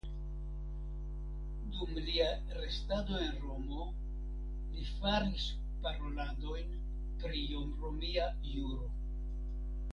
Dum lia restado en Romo li faris paroladojn pri romia juro.